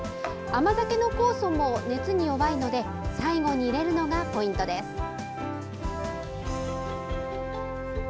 甘酒の酵素も熱に弱いので最後に入れるのがポイントです。